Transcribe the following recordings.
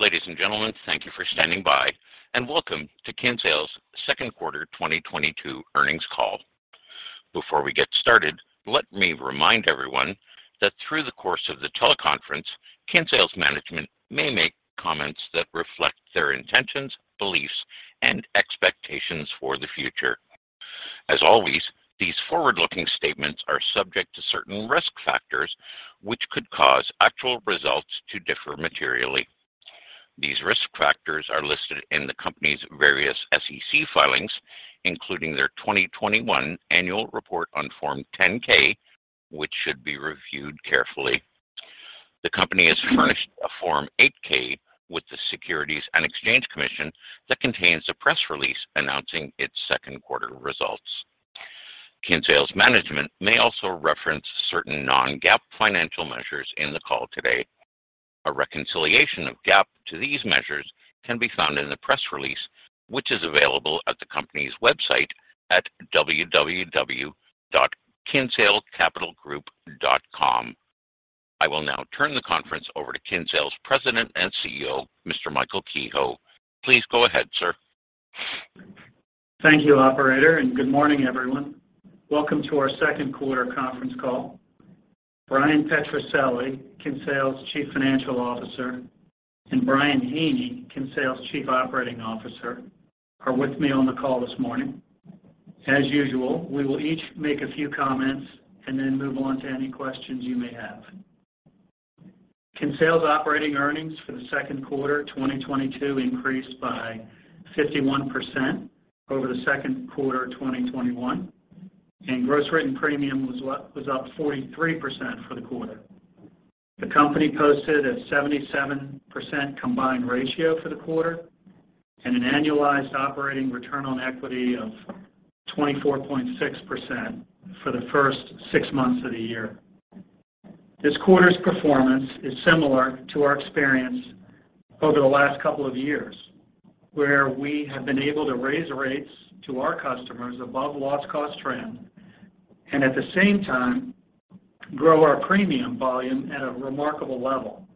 Ladies and gentlemen, thank you for standing by, and welcome to Kinsale's second quarter 2022 earnings call. Before we get started, let me remind everyone that through the course of the teleconference, Kinsale's management may make comments that reflect their intentions, beliefs, and expectations for the future. As always, these forward-looking statements are subject to certain risk factors, which could cause actual results to differ materially. These risk factors are listed in the company's various SEC filings, including their 2021 annual report on Form 10-K, which should be reviewed carefully. The company has furnished a Form 8-K with the Securities and Exchange Commission that contains a press release announcing its second quarter results. Kinsale's management may also reference certain non-GAAP financial measures in the call today. A reconciliation of GAAP to these measures can be found in the press release, which is available at the company's website at www.kinsalecapitalgroup.com. I will now turn the conference over to Kinsale's President and CEO, Mr. Michael Kehoe. Please go ahead, sir. Thank you, operator, and good morning, everyone. Welcome to our second quarter conference call. Bryan Petrucelli, Kinsale's Chief Financial Officer, and Brian D. Haney, Kinsale's Chief Operating Officer, are with me on the call this morning. As usual, we will each make a few comments and then move on to any questions you may have. Kinsale's operating earnings for the second quarter 2022 increased by 51% over the second quarter 2021, and gross written premium was up 43% for the quarter. The company posted a 77% combined ratio for the quarter and an annualized operating return on equity of 24.6% for the first six months of the year. This quarter's performance is similar to our experience over the last couple of years, where we have been able to raise rates to our customers above loss cost trend and at the same time grow our premium volume at a remarkable level.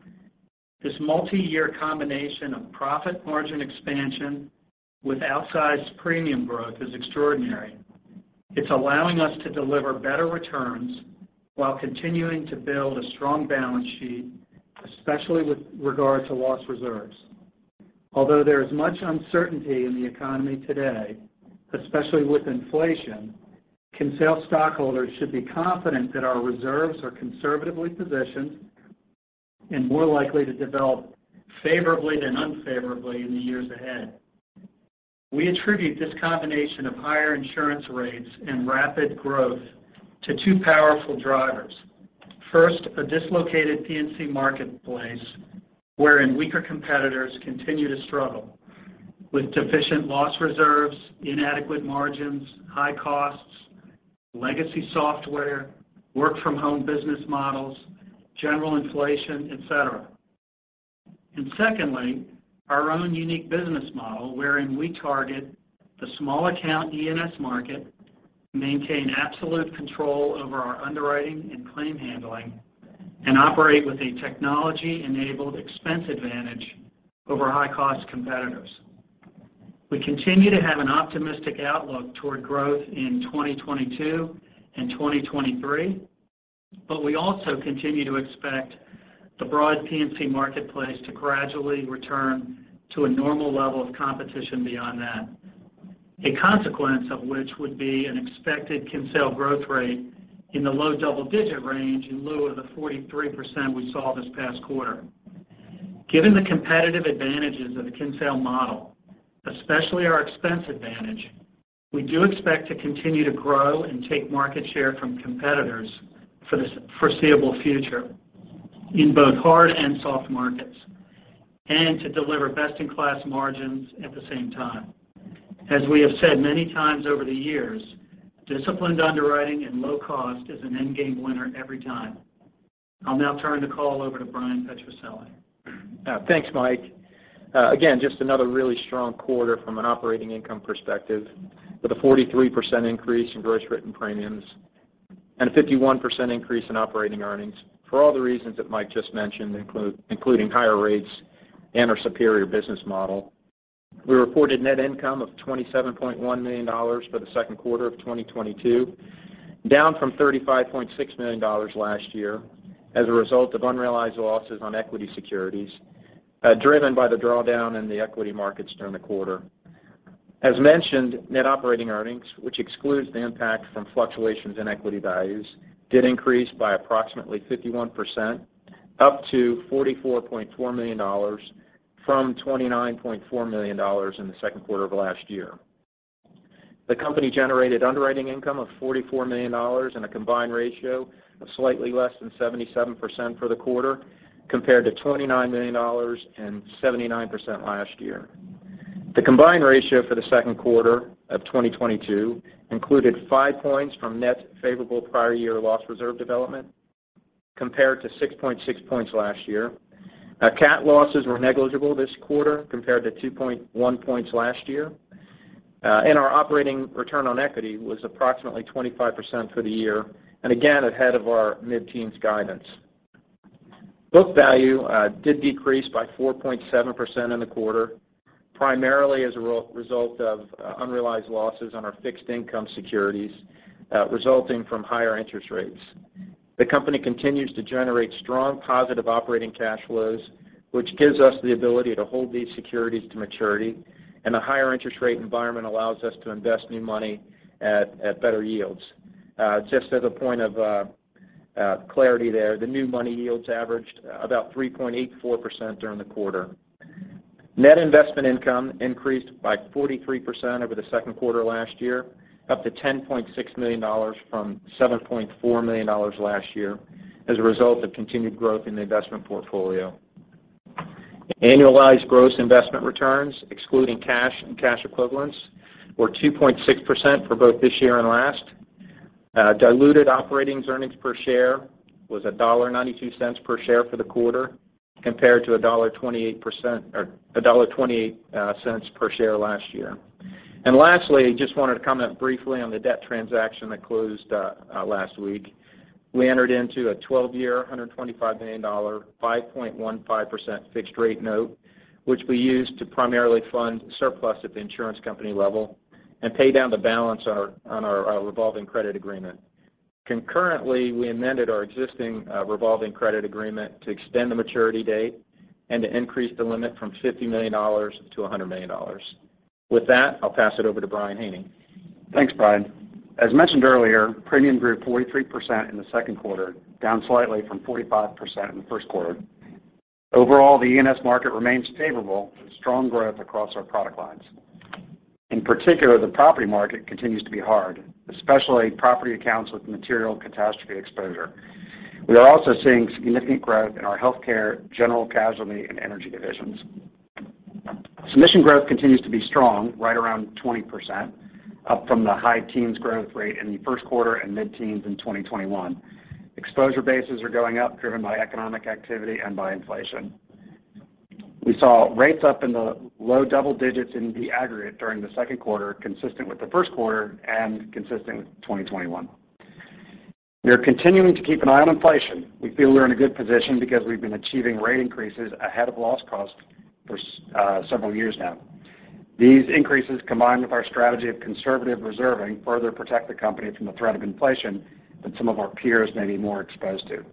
This multi-year combination of profit margin expansion with outsized premium growth is extraordinary. It's allowing us to deliver better returns while continuing to build a strong balance sheet, especially with regard to loss reserves. Although there is much uncertainty in the economy today, especially with inflation, Kinsale stockholders should be confident that our reserves are conservatively positioned and more likely to develop favorably than unfavorably in the years ahead. We attribute this combination of higher insurance rates and rapid growth to two powerful drivers. First, a dislocated P&C marketplace wherein weaker competitors continue to struggle with deficient loss reserves, inadequate margins, high costs, legacy software, work-from-home business models, general inflation, et cetera. Secondly, our own unique business model wherein we target the small account E&S market, maintain absolute control over our underwriting and claim handling, and operate with a technology-enabled expense advantage over high-cost competitors. We continue to have an optimistic outlook toward growth in 2022 and 2023, but we also continue to expect the broad P&C marketplace to gradually return to a normal level of competition beyond that. A consequence of which would be an expected Kinsale growth rate in the low double-digit range in lieu of the 43% we saw this past quarter. Given the competitive advantages of the Kinsale model, especially our expense advantage, we do expect to continue to grow and take market share from competitors for this foreseeable future in both hard and soft markets, and to deliver best-in-class margins at the same time. As we have said many times over the years, disciplined underwriting and low cost is an end game winner every time. I'll now turn the call over to Bryan Petrucelli. Thanks, Mike. Again, just another really strong quarter from an operating income perspective with a 43% increase in gross written premiums and a 51% increase in operating earnings for all the reasons that Mike just mentioned, including higher rates and our superior business model. We reported net income of $27.1 million for the second quarter of 2022, down from $35.6 million last year as a result of unrealized losses on equity securities, driven by the drawdown in the equity markets during the quarter. As mentioned, net operating earnings, which excludes the impact from fluctuations in equity values, did increase by approximately 51% up to $44.4 million from $29.4 million in the second quarter of last year. The company generated underwriting income of $44 million in a combined ratio of slightly less than 77% for the quarter, compared to $29 million and 79% last year. The combined ratio for the second quarter of 2022 included five points from net favorable prior year loss reserve development, compared to 6.6 points last year. Cat losses were negligible this quarter compared to 2.1 points last year. Our operating return on equity was approximately 25% for the year, again ahead of our mid-teens guidance. Book value did decrease by 4.7% in the quarter, primarily as a result of unrealized losses on our fixed income securities resulting from higher interest rates. The company continues to generate strong positive operating cash flows, which gives us the ability to hold these securities to maturity, and a higher interest rate environment allows us to invest new money at better yields. Just as a point of clarity there, the new money yields averaged about 3.84% during the quarter. Net investment income increased by 43% over the second quarter last year, up to $10.6 million from $7.4 million last year as a result of continued growth in the investment portfolio. Annualized gross investment returns, excluding cash and cash equivalents, were 2.6% for both this year and last. Diluted operating earnings per share was $1.92 per share for the quarter compared to $1.28 cents per share last year. Lastly, just wanted to comment briefly on the debt transaction that closed last week. We entered into a 12-year, $125 million, 5.15% fixed-rate note, which we used to primarily fund surplus at the insurance company level and pay down the balance on our revolving credit agreement. Concurrently, we amended our existing revolving credit agreement to extend the maturity date and to increase the limit from $50 million to $100 million. With that, I'll pass it over to Brian Haney. Thanks, Brian. As mentioned earlier, premium grew 43% in the second quarter, down slightly from 45% in the first quarter. Overall, the E&S market remains favorable with strong growth across our product lines. In particular, the property market continues to be hard, especially property accounts with material catastrophe exposure. We are also seeing significant growth in our healthcare, general casualty, and energy divisions. Submission growth continues to be strong, right around 20%, up from the high teens growth rate in the first quarter and mid-teens in 2021. Exposure bases are going up, driven by economic activity and by inflation. We saw rates up in the low double digits in the aggregate during the second quarter, consistent with the first quarter and consistent with 2021. We are continuing to keep an eye on inflation. We feel we're in a good position because we've been achieving rate increases ahead of loss cost for several years now. These increases, combined with our strategy of conservative reserving, further protect the company from the threat of inflation that some of our peers may be more exposed to.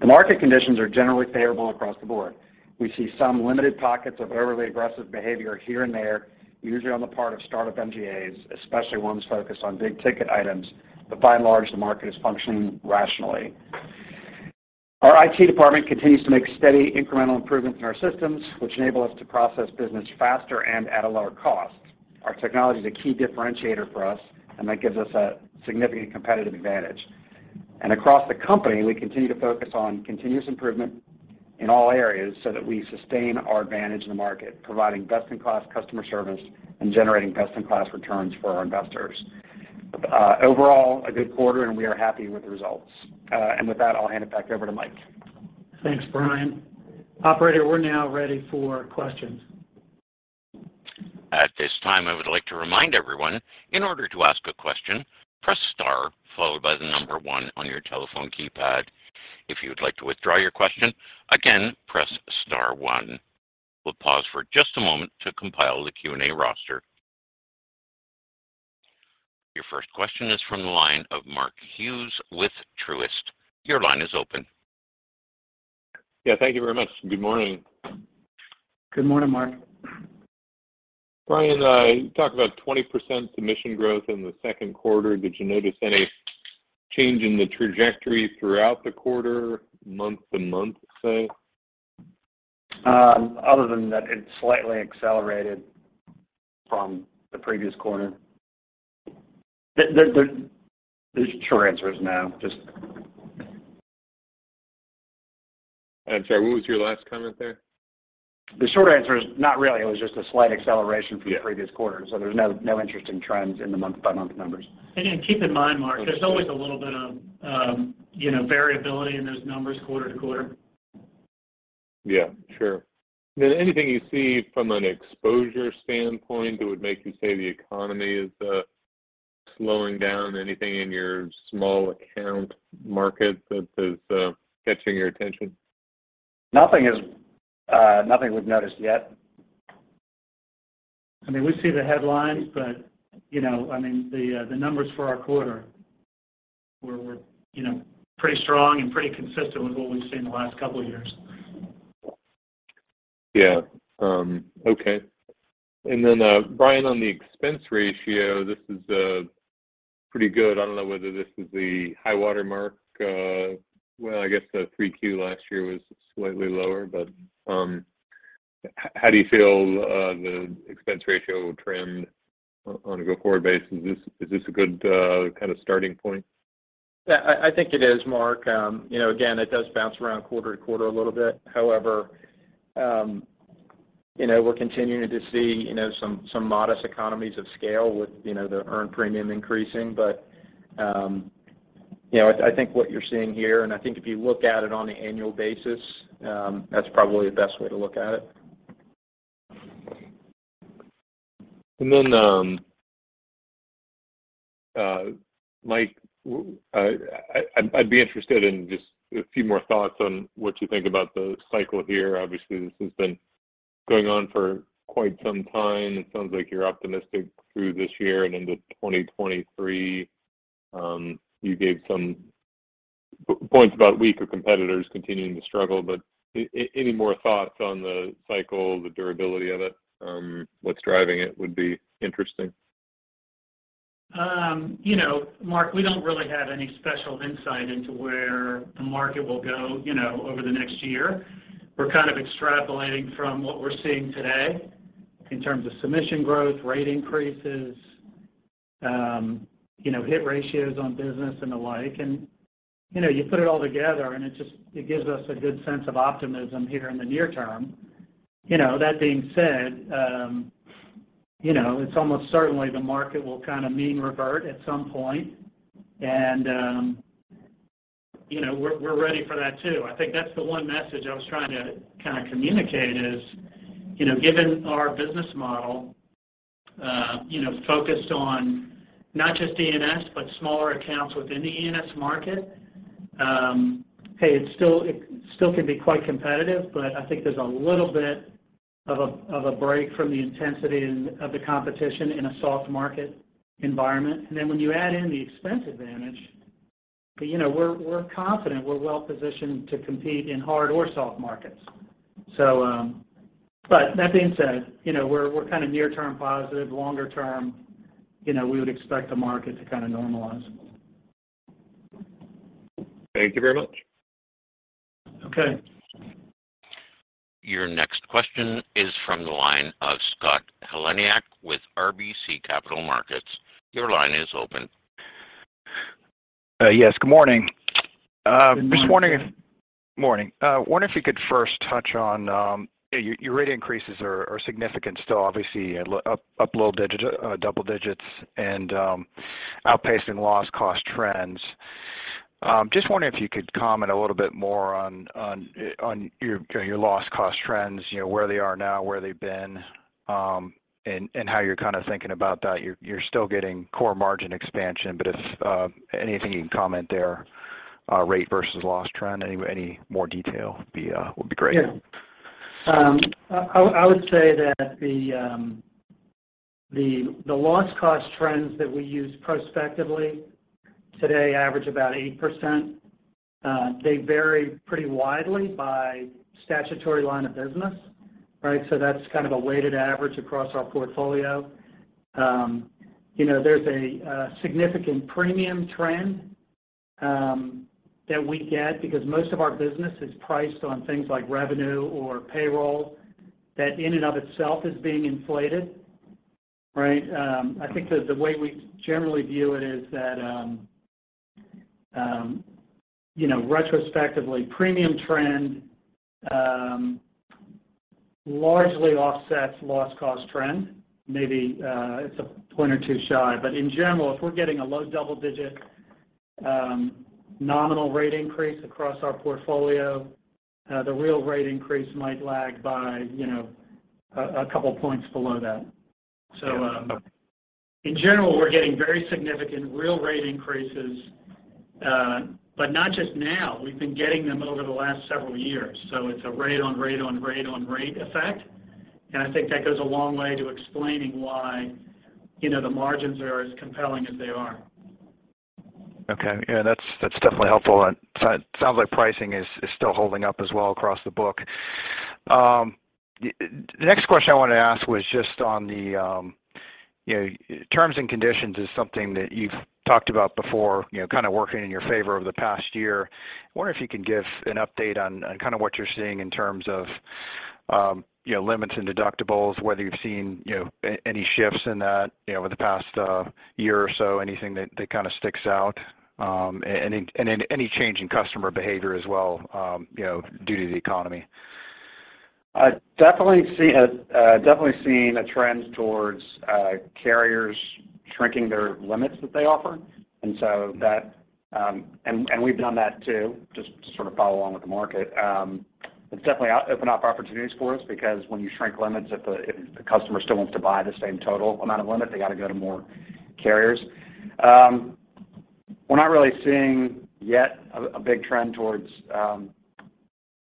The market conditions are generally favorable across the board. We see some limited pockets of overly aggressive behavior here and there, usually on the part of startup MGAs, especially ones focused on big-ticket items, but by and large, the market is functioning rationally. Our IT department continues to make steady incremental improvements in our systems, which enable us to process business faster and at a lower cost. Our technology is a key differentiator for us, and that gives us a significant competitive advantage. Across the company, we continue to focus on continuous improvement in all areas so that we sustain our advantage in the market, providing best-in-class customer service and generating best-in-class returns for our investors. Overall, a good quarter, and we are happy with the results. With that, I'll hand it back over to Mike. Thanks, Brian. Operator, we're now ready for questions. At this time, I would like to remind everyone, in order to ask a question, press star followed by the number one on your telephone keypad. If you would like to withdraw your question, again, press star one. We'll pause for just a moment to compile the Q&A roster. Your first question is from the line of Mark Hughes with Truist. Your line is open. Yeah. Thank you very much. Good morning. Good morning, Mark. Brian, you talked about 20% submission growth in the second quarter. Did you notice any change in the trajectory throughout the quarter, month-to-month, say? Other than that it slightly accelerated from the previous quarter. The short answer is no. I'm sorry, what was your last comment there? The short answer is not really. It was just a slight acceleration. Yeah... from the previous quarter, so there's no interesting trends in the month-by-month numbers. Keep in mind, Mark- Understood There's always a little bit of, you know, variability in those numbers quarter to quarter. Yeah, sure. Is there anything you see from an exposure standpoint that would make you say the economy is slowing down? Anything in your small account market that is catching your attention? Nothing we've noticed yet. I mean, we see the headlines, but, you know, I mean, the numbers for our quarter were, you know, pretty strong and pretty consistent with what we've seen the last couple of years. Yeah. Okay. Then, Brian, on the expense ratio, this is pretty good. I don't know whether this is the high water mark. Well, I guess the 3Q last year was slightly lower, but how do you feel the expense ratio will trend on a go-forward basis? Is this a good kind of starting point? Yeah, I think it is, Mark. You know, again, it does bounce around quarter to quarter a little bit. However, you know, we're continuing to see, you know, some modest economies of scale with, you know, the earned premium increasing. You know, I think what you're seeing here, and I think if you look at it on an annual basis, that's probably the best way to look at it. Mike, I'd be interested in just a few more thoughts on what you think about the cycle here. Obviously, this has been going on for quite some time. It sounds like you're optimistic through this year and into 2023. You gave some points about weaker competitors continuing to struggle, but any more thoughts on the cycle, the durability of it, what's driving it would be interesting. You know, Mark, we don't really have any special insight into where the market will go, you know, over the next year. We're kind of extrapolating from what we're seeing today in terms of submission growth, rate increases, you know, hit ratios on business and the like. You know, you put it all together, and it just, it gives us a good sense of optimism here in the near term. You know, that being said, you know, it's almost certainly the market will kind of mean revert at some point. You know, we're ready for that too. I think that's the one message I was trying to kind of communicate is, you know, given our business model, you know, focused on not just E&S, but smaller accounts within the E&S market, it still can be quite competitive, but I think there's a little bit of a break from the intensity of the competition in a soft market environment. When you add in the expense advantage, you know, we're confident we're well-positioned to compete in hard or soft markets. But that being said, you know, we're kind of near term positive. Longer term, you know, we would expect the market to kind of normalize. Thank you very much. Okay. Your next question is from the line of Scott Heleniak with RBC Capital Markets. Your line is open. Yes. Good morning. Good morning. Morning. Wondering if you could first touch on your rate increases are significant still, obviously up double digits and outpacing loss cost trends. Just wondering if you could comment a little bit more on your loss cost trends, you know, where they are now, where they've been, and how you're kind of thinking about that. You're still getting core margin expansion, but if anything you can comment there, rate versus loss trend, any more detail would be great. Yeah. I would say that the loss cost trends that we use prospectively today average about 8%. They vary pretty widely by statutory line of business, right? So that's kind of a weighted average across our portfolio. You know, there's a significant premium trend that we get because most of our business is priced on things like revenue or payroll that in and of itself is being inflated, right? I think the way we generally view it is that you know, retrospectively, premium trend largely offsets loss cost trend. Maybe it's a point or two shy. In general, if we're getting a low double-digit nominal rate increase across our portfolio, the real rate increase might lag by you know, a couple points below that. In general, we're getting very significant real rate increases, but not just now. We've been getting them over the last several years. It's a rate on rate on rate on rate effect. And I think that goes a long way to explaining why, you know, the margins are as compelling as they are. Okay. Yeah, that's definitely helpful. Sounds like pricing is still holding up as well across the book. The next question I wanted to ask was just on the, you know, terms and conditions is something that you've talked about before, you know, kind of working in your favor over the past year. I wonder if you can give an update on kind of what you're seeing in terms of, you know, limits and deductibles, whether you've seen, you know, any shifts in that, you know, over the past year or so, anything that kind of sticks out, and any change in customer behavior as well, you know, due to the economy. I've definitely seen a trend towards carriers shrinking their limits that they offer. We've done that too, just to sort of follow along with the market. It's definitely opened up opportunities for us because when you shrink limits, if the customer still wants to buy the same total amount of limit, they got to go to more carriers. We're not really seeing yet a big trend towards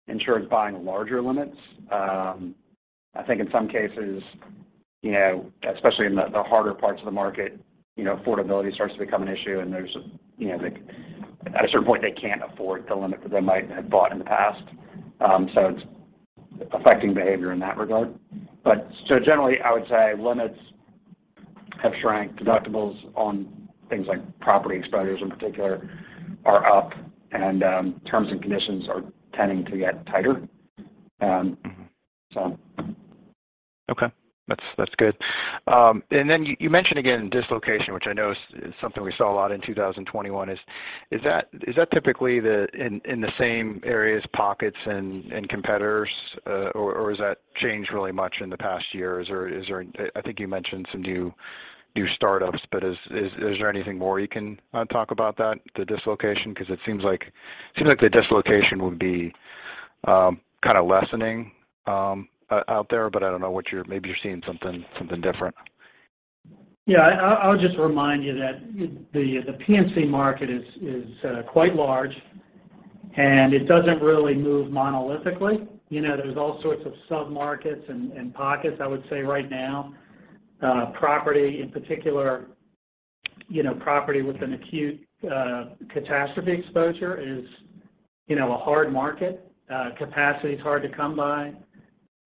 insureds buying larger limits. I think in some cases, you know, especially in the harder parts of the market, you know, affordability starts to become an issue, and there's, you know, like at a certain point, they can't afford the limit that they might have bought in the past. It's affecting behavior in that regard. Generally, I would say limits have shrank. Deductibles on things like property exposures in particular are up, and terms and conditions are tending to get tighter. Okay. That's good. Then you mentioned again dislocation, which I know is something we saw a lot in 2021. Is that typically in the same areas, pockets and competitors, or has that changed really much in the past years? I think you mentioned some new startups, but is there anything more you can talk about, the dislocation? Because it seems like the dislocation would be kind of lessening out there, but I don't know, maybe you're seeing something different. Yeah. I’ll just remind you that the P&C market is quite large, and it doesn’t really move monolithically. You know, there’s all sorts of sub-markets and pockets. I would say right now, property in particular, you know, property with an acute catastrophe exposure is, you know, a hard market. Capacity is hard to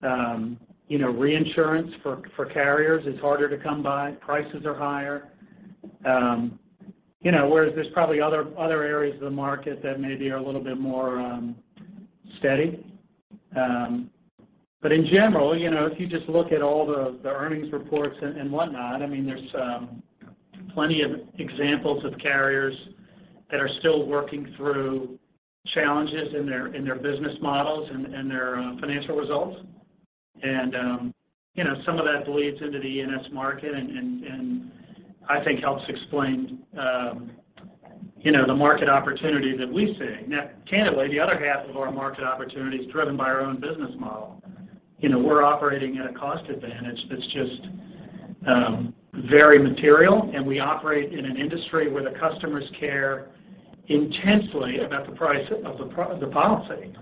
come by. You know, reinsurance for carriers is harder to come by. Prices are higher. You know, whereas there’s probably other areas of the market that maybe are a little bit more steady. But in general, you know, if you just look at all the earnings reports and what not, I mean, there’s plenty of examples of carriers that are still working through challenges in their business models and their financial results. You know, some of that bleeds into the E&S market and I think helps explain the market opportunity that we see. Now, candidly, the other half of our market opportunity is driven by our own business model. You know, we're operating at a cost advantage that's just very material, and we operate in an industry where the customers care intensely about the price of the policy.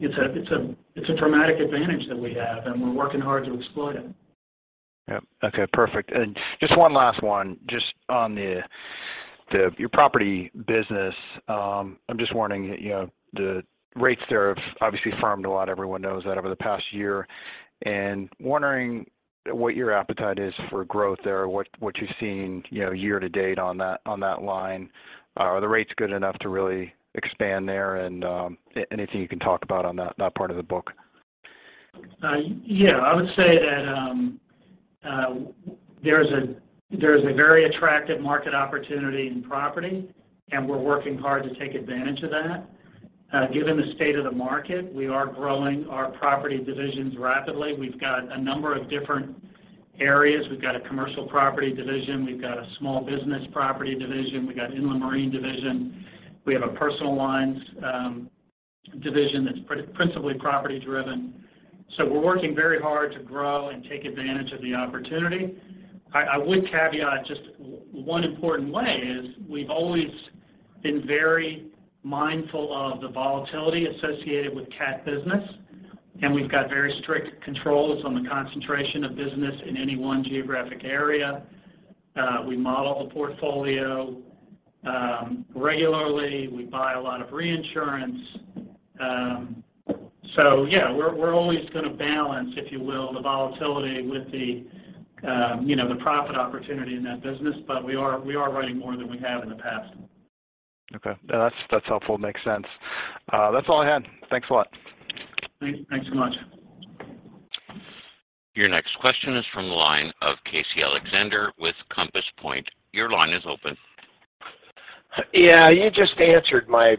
It's a dramatic advantage that we have, and we're working hard to exploit it. Yep. Okay, perfect. Just one last one just on your property business. I'm just wondering, you know, the rates there have obviously firmed a lot, everyone knows that, over the past year. Wondering what your appetite is for growth there or what you're seeing, you know, year to date on that, on that line. Are the rates good enough to really expand there? Anything you can talk about on that part of the book. Yeah. I would say that there's a very attractive market opportunity in property, and we're working hard to take advantage of that. Given the state of the market, we are growing our property divisions rapidly. We've got a number of different areas. We've got a Commercial Property division, we've got a small business property division, we've got Inland Marine Division, we have a Personal Lines division that's principally property driven. We're working very hard to grow and take advantage of the opportunity. I would caveat just one important way is we've always been very mindful of the volatility associated with cat business, and we've got very strict controls on the concentration of business in any one geographic area. We model the portfolio regularly. We buy a lot of reinsurance. Yeah, we're always gonna balance, if you will, the volatility with the, you know, the profit opportunity in that business, but we are writing more than we have in the past. Okay. No, that's helpful. Makes sense. That's all I had. Thanks a lot. Thanks so much. Your next question is from the line of Casey Alexander with Compass Point. Your line is open. Yeah. You just answered my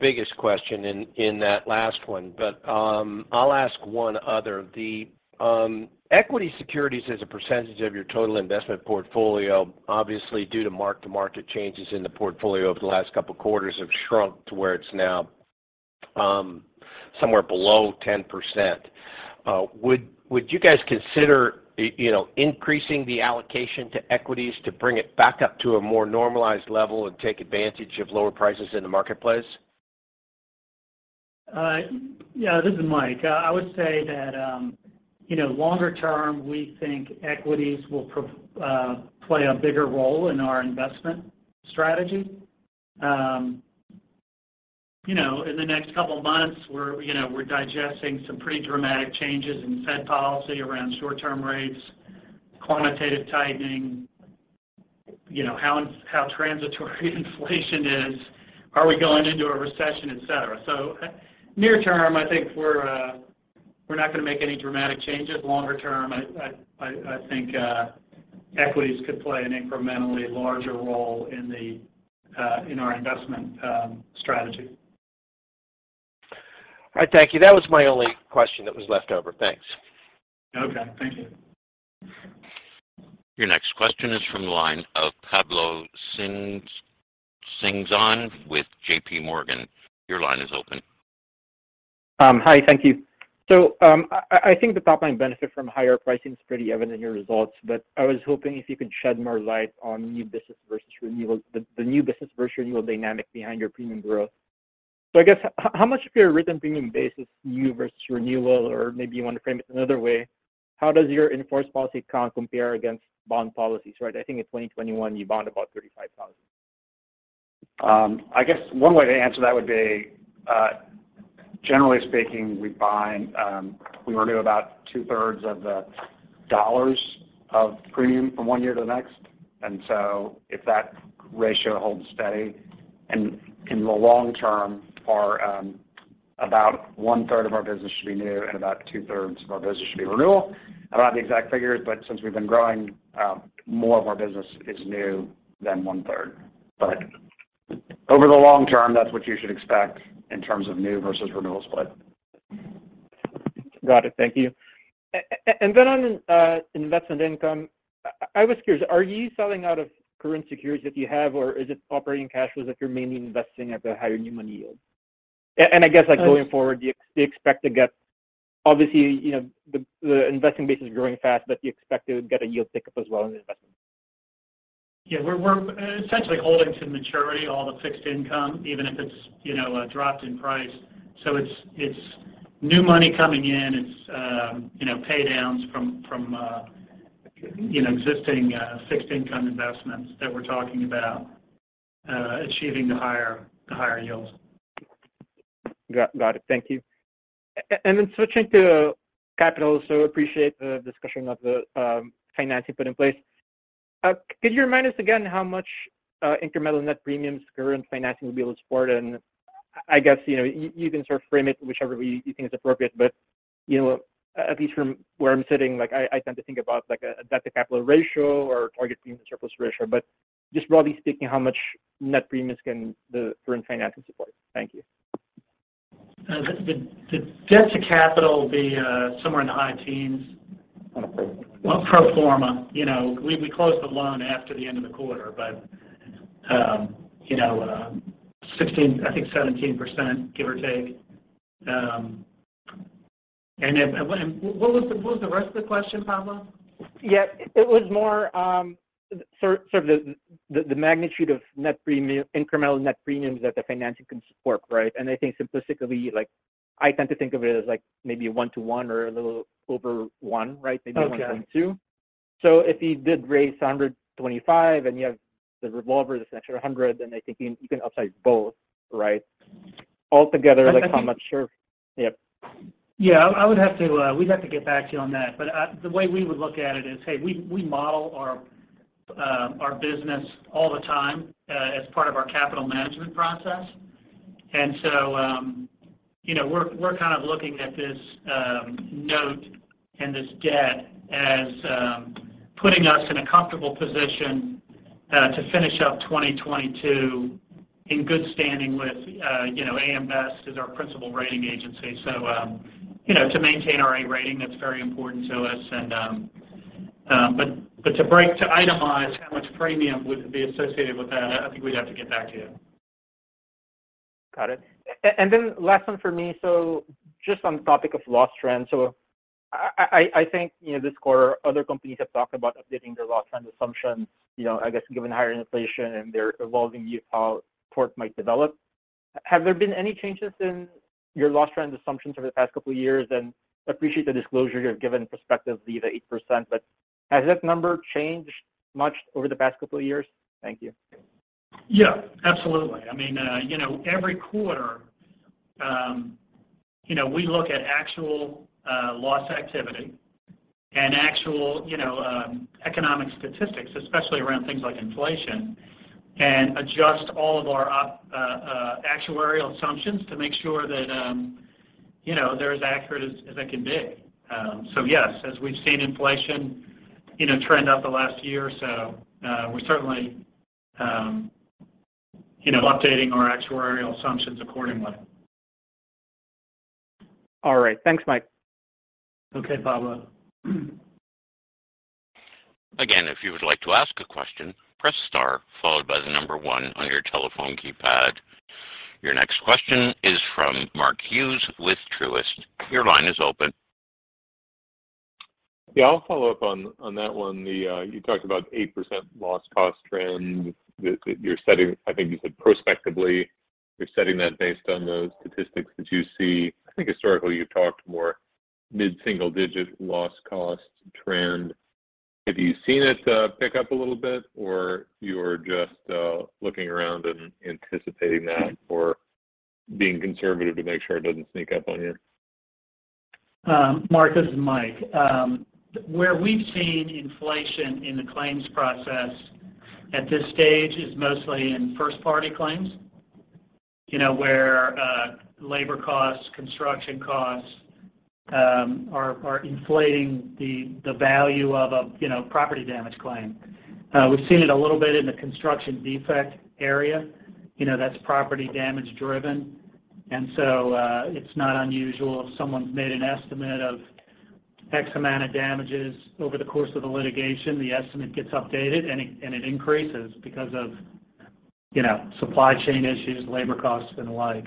biggest question in that last one. I'll ask one other. The equity securities as a percentage of your total investment portfolio, obviously, due to mark-to-market changes in the portfolio over the last couple quarters have shrunk to where it's now somewhere below 10%. Would you guys consider you know, increasing the allocation to equities to bring it back up to a more normalized level and take advantage of lower prices in the marketplace? Yeah. This is Mike. I would say that, you know, longer term, we think equities will play a bigger role in our investment strategy. You know, in the next couple months, we're digesting some pretty dramatic changes in Fed policy around short-term rates, quantitative tightening, you know, how transitory inflation is, are we going into a recession, et cetera. Near term, I think we're not gonna make any dramatic changes. Longer term, I think equities could play an incrementally larger role in our investment strategy. All right. Thank you. That was my only question that was left over. Thanks. Okay, thank you. Your next question is from the line of Pablo Singzon with JP Morgan. Your line is open. Hi. Thank you. I think the top line benefit from higher pricing is pretty evident in your results, but I was hoping if you could shed more light on new business versus renewals. The new business versus renewal dynamic behind your premium growth. I guess how much of your written premium base is new versus renewal, or maybe you want to frame it another way, how does your in-force policy count compare against bound policies, right? I think in 2021 you bound about 35,000. I guess one way to answer that would be, generally speaking, we bind, we renew about two-thirds of the dollars of premium from one year to the next. If that ratio holds steady, and in the long term, about one-third of our business should be new and about two-thirds of our business should be renewal. I don't have the exact figures, but since we've been growing, more of our business is new than one-third. Over the long term, that's what you should expect in terms of new versus renewal split. Got it. Thank you. Then on investment income, I was curious, are you selling out of current securities that you have or is it operating cash flows if you're mainly investing at the higher new money yield? I guess, like, going forward, do you expect to get. Obviously, you know, the investing base is growing fast, but do you expect to get a yield pickup as well in investment? Yeah. We're essentially holding to maturity all the fixed income, even if it's, you know, dropped in price. It's new money coming in. It's you know, pay downs from you know, existing fixed income investments that we're talking about achieving the higher yields. Got it. Thank you. Switching to capital. Appreciate the discussion of the financing put in place. Could you remind us again how much incremental net premiums current financing will be able to support? I guess, you know, you can sort of frame it whichever way you think is appropriate. You know, at least from where I'm sitting, like I tend to think about like a debt-to-capital ratio or target premium-to-surplus ratio. Just broadly speaking, how much net premiums can the current financing support? Thank you. The debt-to-capital will be somewhere in the high teens. Well, pro forma, you know. We closed the loan after the end of the quarter. You know, 16, I think 17%, give or take. What was the rest of the question, Pablo? Yeah. It was more, sort of, the magnitude of incremental net premiums that the financing can support, right? I think simplistically, like I tend to think of it as like maybe a one to one or a little over one, right? Okay. Maybe 1.2. If you did raise $125 and you have the revolver that's an extra $100, then I think you can upsize both, right? All together, like how much Sure. Yep. Yeah. I would have to, we'd have to get back to you on that. The way we would look at it is, hey, we model our business all the time as part of our capital management process. You know, we're kind of looking at this note and this debt as putting us in a comfortable position to finish up 2022 in good standing with, you know, AM Best is our principal rating agency. You know, to maintain our A rating, that's very important to us and to break, to itemize how much premium would be associated with that, I think we'd have to get back to you. Got it. Last one for me. Just on the topic of loss trends. I think, you know, this quarter other companies have talked about updating their loss trend assumptions, you know, I guess given higher inflation and their evolving view of how costs might develop. Have there been any changes in your loss trend assumptions over the past couple of years? Appreciate the disclosure you've given prospectively, the 8%, but has that number changed much over the past couple of years? Thank you. Yeah, absolutely. I mean, you know, every quarter, you know, we look at actual loss activity and actual, you know, economic statistics, especially around things like inflation, and adjust all of our actuarial assumptions to make sure that, you know, they're as accurate as they can be. Yes, as we've seen inflation, you know, trend up the last year or so, we're certainly, you know, updating our actuarial assumptions accordingly. All right. Thanks, Mike. Okay, Pablo. Again, if you would like to ask a question, press star followed by the number one on your telephone keypad. Your next question is from Mark Hughes with Truist. Your line is open. I'll follow up on that one. You talked about 8% loss cost trend that you're setting, I think you said prospectively, you're setting that based on the statistics that you see. I think historically you've talked more mid-single-digit loss cost trend. Have you seen it pick up a little bit? Or you're just looking around and anticipating that or being conservative to make sure it doesn't sneak up on you? Mark, this is Mike. Where we've seen inflation in the claims process at this stage is mostly in first party claims, you know, where labor costs, construction costs are inflating the value of a, you know, property damage claim. We've seen it a little bit in the construction defect area, you know, that's property damage driven. It's not unusual if someone's made an estimate of X amount of damages over the course of the litigation, the estimate gets updated and it increases because of, you know, supply chain issues, labor costs and the like.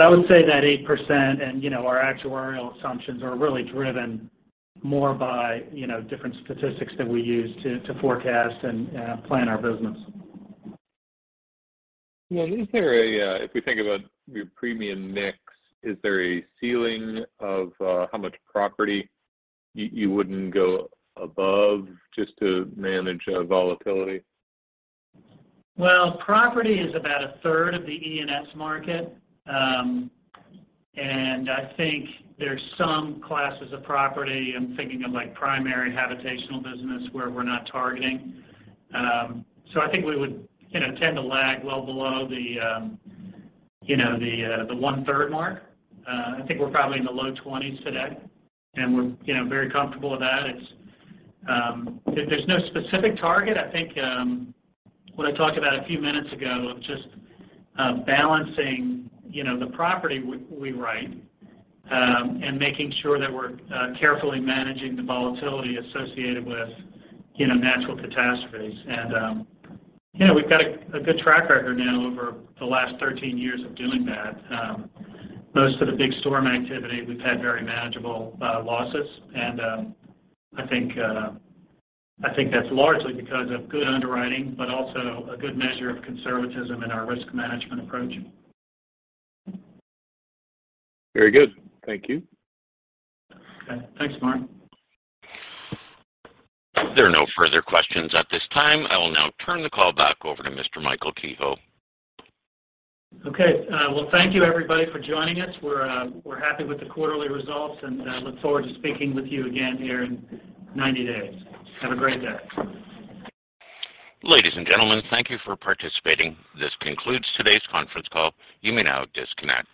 I would say that 8% and, you know, our actuarial assumptions are really driven more by, you know, different statistics that we use to forecast and plan our business. Yeah. If we think about your premium mix, is there a ceiling of how much property you wouldn't go above just to manage volatility? Well, property is about 1/3 of the E&S market. I think there's some classes of property, I'm thinking of like primary habitational business, where we're not targeting. I think we would, you know, tend to lag well below the 1/3 mark. I think we're probably in the low 20s today, and we're, you know, very comfortable with that. It's. There's no specific target. I think what I talked about a few minutes ago of just balancing, you know, the property we write, and making sure that we're carefully managing the volatility associated with, you know, natural catastrophes. You know, we've got a good track record now over the last 13 years of doing that. Most of the big storm activity, we've had very manageable losses. I think that's largely because of good underwriting, but also a good measure of conservatism in our risk management approach. Very good. Thank you. Okay. Thanks, Mark. There are no further questions at this time. I will now turn the call back over to Mr. Michael Kehoe. Okay. Well, thank you everybody for joining us. We're happy with the quarterly results and look forward to speaking with you again here in 90 days. Have a great day. Ladies and gentlemen, thank you for participating. This concludes today's conference call. You may now disconnect.